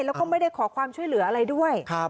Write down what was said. แล้วก็ไม่ได้ขอความช่วยเหลืออะไรด้วย